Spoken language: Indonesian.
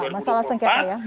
masalah sengketa ya